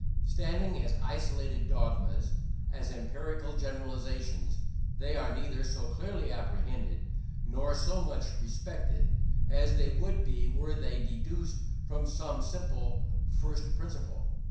Standing as isolated dogmas as empirical generalizations, they are neither so clearly apprehended, nor so much respected, as they would be were they deduced from some simple first principle.